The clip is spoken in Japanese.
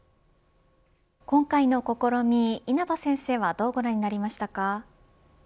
今回の試み、稲葉先生はどうご覧になりましたか。